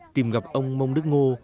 tìm gặp ông mông đức ngô